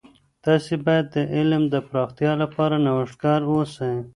تاسې باید د علم د پراختیا لپاره نوښتګر اوسئ.